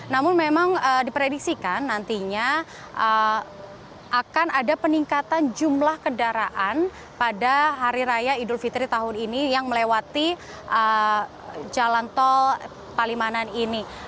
namun memang diprediksikan nantinya akan ada peningkatan jumlah kendaraan pada hari raya idul fitri tahun ini yang melewati jalan tol palimanan ini